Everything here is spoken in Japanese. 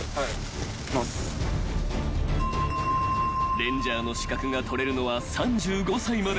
［レンジャーの資格が取れるのは３５歳まで］